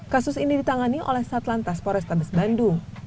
kasus ini ditangani oleh satlan tas polres tabes bandung